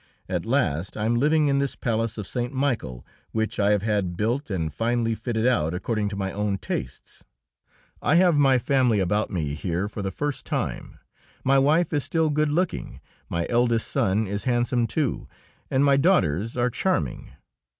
At last I am living in this palace of St. Michael, which I have had built and finely fitted out according to my own tastes. I have my family about me here for the first time. My wife is still good looking, my eldest son is handsome, too, and my daughters are charming.